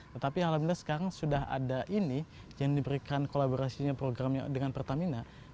tetapi alhamdulillah sekarang sudah ada ini yang diberikan kolaborasinya programnya dengan pertamina